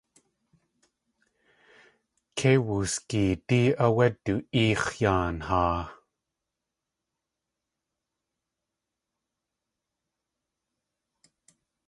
Kei wusgeedí áwé du éex̲ yaan haa.